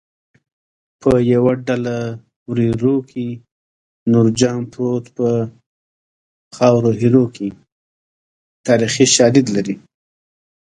په یوه ډله وریرو کې نورجان پروت خاورو ایرو کې تاریخي شالید لري